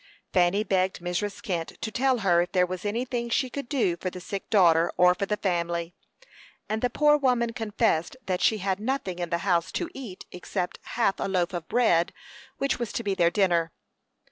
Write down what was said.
Fanny begged Mrs. Kent to tell her if there was anything she could do for the sick daughter, or for the family; and the poor woman confessed that she had nothing in the house to eat except half a loaf of bread, which was to be their dinner.